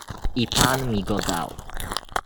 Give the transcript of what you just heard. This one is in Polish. "I pan mi go dał."